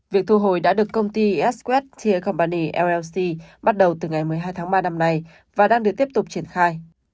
việc thu hồi đã được công ty s quest tear company llc bắt đầu từ ngày một mươi hai tháng ba năm nay và đang được tiếp tục triển khai